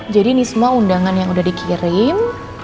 jadi ini semua undangan yang sudah dikirim